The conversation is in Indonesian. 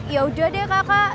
ya udah deh kakak